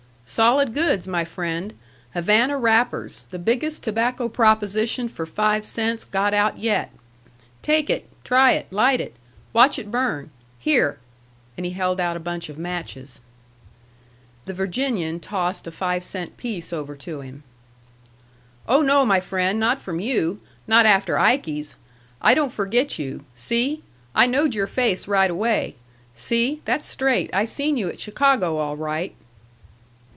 "Solid goods, my friend. Havana wrappers, the biggest tobacco proposition for five cents got out yet. Take it, try it, light it, watch it burn. Here." And he held out a bunch of matches. The Virginian tossed a five cent piece over to him. "Oh, no, my friend! Not from you! Not after Ikey's. I don't forget you. See? I knowed your face right away. See? That's straight. I seen you at Chicago all right."